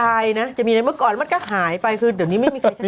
มันเป็นมิญาณนะมันก็หายไปคือเดี๋ยวนี้ไม่มีใครจะ